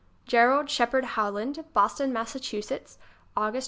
GERALD SHEPARD HOWLAND Boston, Massachusetts August 2.